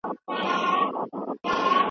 ما ستا د پښتو ليکنې په اړه یو مثبت نظر ورکړی.